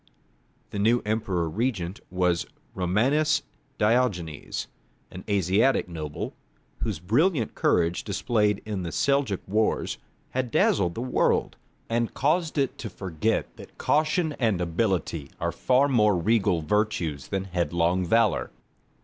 The new Emperor regent was Romanus Diogenes, an Asiatic noble, whose brilliant courage displayed in the Seljouk wars had dazzled the world, and caused it to forget that caution and ability are far more regal virtues than headlong valour.